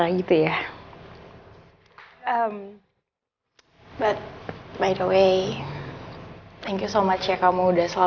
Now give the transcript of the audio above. ah ah ah but i still miss you x satu